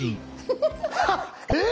えっ⁉